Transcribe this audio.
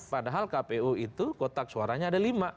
padahal kpu itu kotak suaranya ada lima